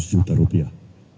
dua ratus juta rupiah